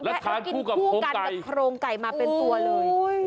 แล้วกินคู่กับโครงไก่มาเป็นตัวเลย